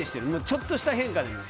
ちょっとした変化でも。